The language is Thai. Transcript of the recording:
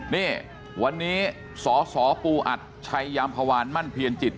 นี่วันนี้สสปูอัดชัยยามพวานมั่นเพียรจิต